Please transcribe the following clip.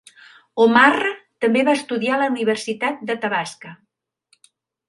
O'Marra també va estudiar a la Universitat d'Athabasca.